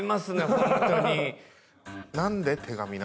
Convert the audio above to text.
ホントに。